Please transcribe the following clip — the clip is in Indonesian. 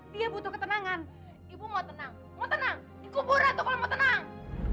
dia butuh ketenangan ibu mau tenang mau tenang dikuburkan kalau mau tenang